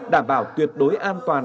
đảm bảo tuyệt đối an toàn